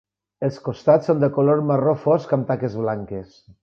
Els costats són de color marró fosc amb taques blanques.